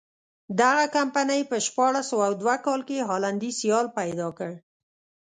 دغې کمپنۍ په شپاړس سوه دوه کال کې هالنډی سیال پیدا کړ.